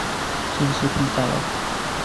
先吃披薩了